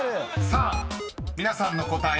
［さあ皆さんの答え